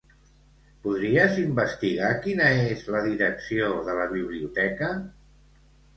Podries investigar quina és la direcció de la biblioteca?